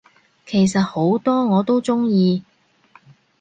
其實好多我都鍾意